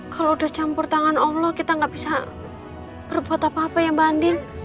kalau udah campur tangan allah kita gak bisa berbuat apa apa ya mbak andil